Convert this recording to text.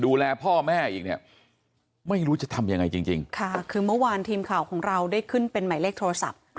ดูแลพ่อแม่อีกเนี่ยไม่รู้จะทำยังไงจริงค่ะคือเมื่อวานทีมข่าวของเราได้ขึ้นเป็นหมายเลขโทรศัพท์